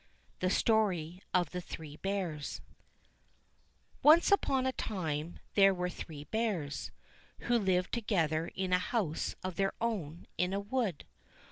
THE STORY OF THE THREE BEARS ONCE upon a time there were three Bears, who lived together in a house of their own, in a wood.